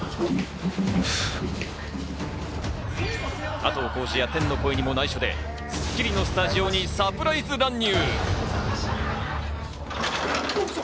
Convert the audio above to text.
加藤浩次や天の声にも内緒で『スッキリ』のスタジオにサプライズ乱入。